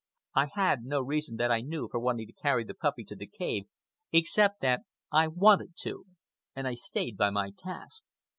I had no reason that I knew for wanting to carry the puppy to the cave, except that I wanted to; and I stayed by my task.